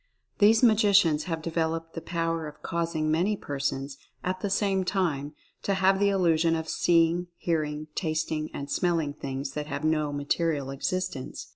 These magicians have developed the power of causing many persons, at the same time, to have the illusion of seeing, hearing, tasting and smelling things that have no material existence.